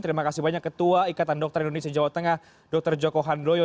terima kasih banyak ketua ikatan dokter indonesia jawa tengah dr joko handoyo